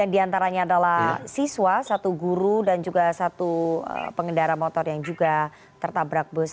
tiga diantaranya adalah siswa satu guru dan juga satu pengendara motor yang juga tertabrak bus